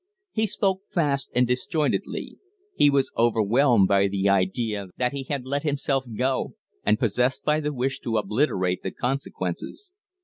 He spoke fast and disjointedly. He was overwhelmed by the idea that he had let himself go, and possessed by the wish to obliterate the consequences.